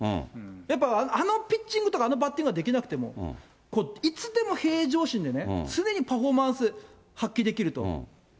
やっぱ、あのピッチングとかあのバッティングができなくても、いつでも平常心でね、常にパフォーマンス発揮できると。